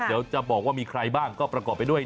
เดี๋ยวจะบอกว่ามีใครบ้างก็ประกอบไปด้วย